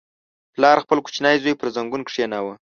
• پلار خپل کوچنی زوی پر زنګون کښېناوه.